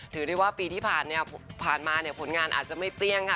ถือได้ว่าปีที่ผ่านมาผ่านมาเนี่ยผลงานอาจจะไม่เปรี้ยงค่ะ